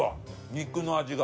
肉の味が。